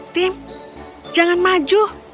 tim jangan maju